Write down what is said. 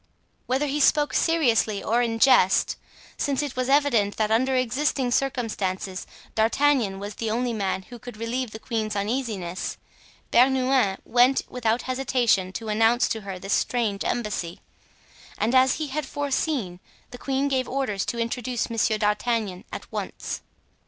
Whether he spoke seriously or in jest, since it was evident that under existing circumstances D'Artagnan was the only man who could relieve the queen's uneasiness, Bernouin went without hesitation to announce to her this strange embassy; and as he had foreseen, the queen gave orders to introduce Monsieur d'Artagnan at once.